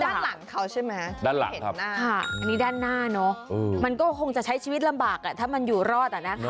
ด้านหลังครับอันนี้ด้านหน้าเนอะมันก็คงจะใช้ชีวิตลำบากอ่ะถ้ามันอยู่รอดอ่ะนะคะ